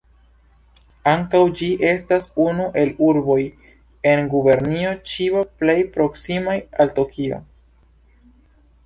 Ankaŭ ĝi estas unu el urboj en Gubernio Ĉiba plej proksimaj al Tokio.